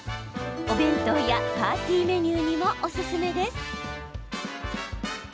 お弁当やパーティーメニューにもおすすめです。